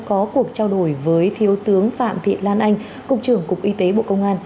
có cuộc trao đổi với thiếu tướng phạm thị lan anh cục trưởng cục y tế bộ công an